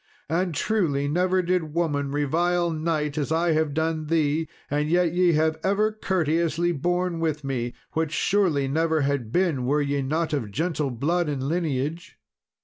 And truly, never did woman revile knight as I have done thee, and yet ye have ever courteously borne with me, which surely never had been were ye not of gentle blood and lineage."